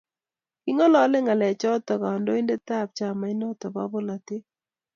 king'alale ng'alechoto kandoindetab chamainito bo bolatet.